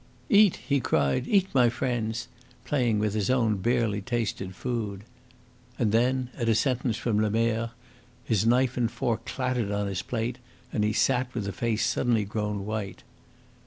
"Eat," he cried "eat, my friends," playing with his own barely tasted food. And then, at a sentence from Lemerre, his knife and fork clattered on his plate, and he sat with a face suddenly grown white.